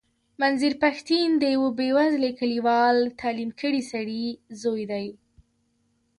منظور پښتين د يوه بې وزلې کليوال تعليم کړي سړي زوی دی.